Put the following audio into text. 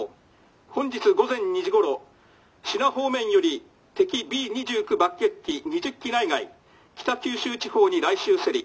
本日午前２時ごろ支那方面より敵Ｂ２９爆撃機２０機内外北九州地方に来襲せり。